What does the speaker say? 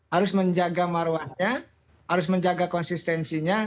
harus menjaga marwahnya harus menjaga konsistensinya